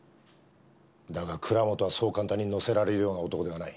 だが蔵本はそう簡単に乗せられるような男ではない。